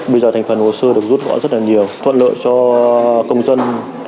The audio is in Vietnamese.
bây giờ thành phần hồ sơ được rút gọn rất là nhiều thuận lợi cho công dân